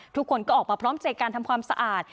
ทุกคนก็ออกมาพร้อมใจการทำความสะอาด